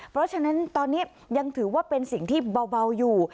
เพราะฉะนั้นตอนนี้ยังถือว่าเป็นสิ่งที่เบาอยู่